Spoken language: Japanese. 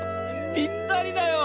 ぴったりだよ！